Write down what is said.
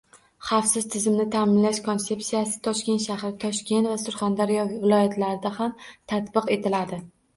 Xavfsiz turizmni ta’minlash konsepsiyasi Toshkent shahri, Toshkent va Surxondaryo viloyatlarida ham tatbiq etiladi